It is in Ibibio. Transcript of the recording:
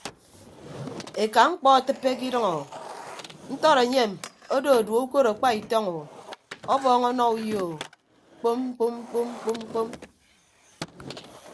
Eka mkpọ atịppe ke idʌñ o ntọd enyem odo edue ukod akpa itọñ o ọbọọñ ọnọ uyo o kpom kpom kpom kpom kpom.